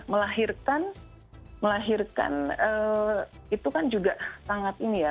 melahirkan melahirkan itu kan juga sangat ini ya